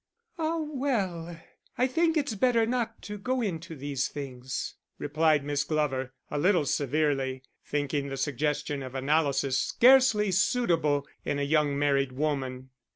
"Ah, well, I think it's better not to go into these things," replied Miss Glover, a little severely, thinking the suggestion of analysis scarcely suitable in a young married woman.